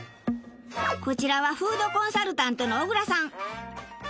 こちらはフードコンサルタントの小倉さん。